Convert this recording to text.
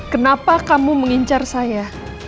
kenapa kamu mengincar saya